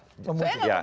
saya tidak memuji